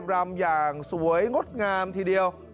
รำอย่างสวยงดงามทีเดียว